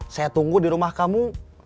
saya tunggu di rumah kamu